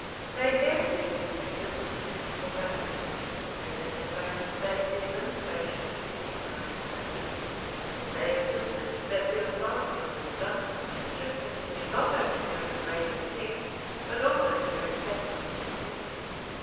They here produced a new list of twenty four barons, to whom they proposed that the administration should be entirely committed; and they insisted that the authority of this junto should continue not only during the reign of the king, but also during that of Prince Edward.